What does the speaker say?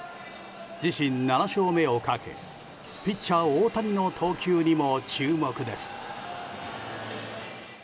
自身７勝目をかけピッチャー大谷の投球にも注目です。